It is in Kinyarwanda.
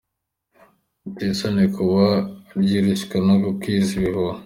Biteye isoni kuba rishyushywa no gukwiza ibihuha.